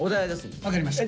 分かりました。